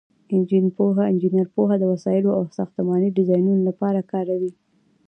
انجینر پوهه د وسایلو او ساختمانونو د ډیزاین لپاره کاروي.